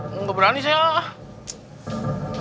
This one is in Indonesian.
wah gak berani sayang